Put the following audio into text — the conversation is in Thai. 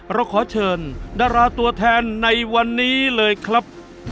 เราขอเชิญดาราตัวแทนในวันนี้เลยครับ